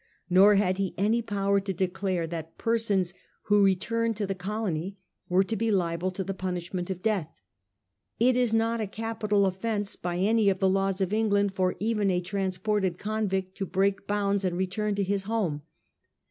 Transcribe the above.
Nor had he any power to declare that persons who returned to the colony were to be liable to the punishment of death. It is not a capital offence by any of the laws of Eng land for even a transported convict to break bounds and return to his home.